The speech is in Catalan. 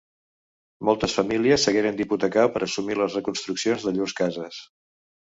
Moltes famílies s'hagueren d'hipotecar per assumir les reconstruccions de llurs cases.